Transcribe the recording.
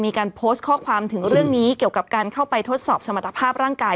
มีการโพสต์ข้อความถึงเรื่องนี้เกี่ยวกับการเข้าไปทดสอบสมรรถภาพร่างกาย